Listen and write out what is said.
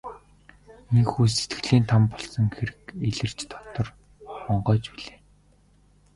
Ийнхүү сэтгэлийн там болсон хэрэг илэрч дотор онгойж билээ.